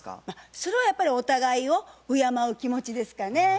それはやっぱりお互いを敬う気持ちですかね。